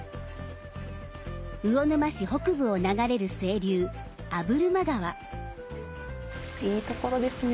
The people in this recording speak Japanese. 魚沼市北部を流れる清流いいところですね。